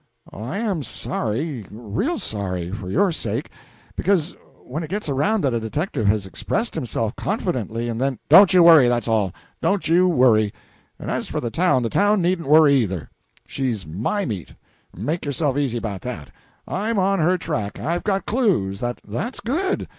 "I am sorry, real sorry for your sake; because, when it gets around that a detective has expressed himself so confidently, and then " "Don't you worry, that's all don't you worry; and as for the town, the town needn't worry, either. She's my meat make yourself easy about that. I'm on her track; I've got clues that " "That's good!